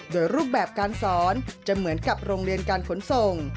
โดยรูปแบบการสอนจะเหมือนกับโรงเรียนการขนส่ง